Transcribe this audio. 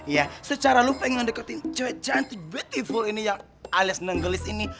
ya secara lo pengen deketin cewek cantik beautiful ini yang alias nenggelis ini